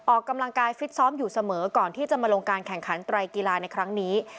ออกกำลังกายฟิตซ้อมอยู่เสมอก่อนที่จะมาลงการแข่งขันไตรกีฬาในครั้งนี้